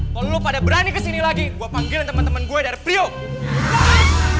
kalau lo pada berani ke sini lagi gue panggilin temen temen gue dari priok